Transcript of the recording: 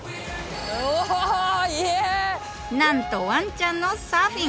なんとわんちゃんのサーフィン！